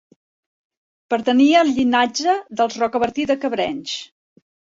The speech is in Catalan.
Pertanyia al llinatge dels Rocabertí de Cabrenys.